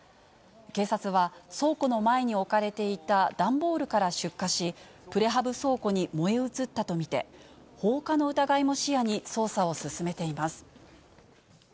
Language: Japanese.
警察は、倉庫の前に置かれていた段ボールから出火し、プレハブ倉庫に燃え移ったと見て、放火の疑いも視野に捜査を進めています。